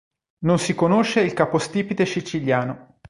Non si conosce il capostipite siciliano.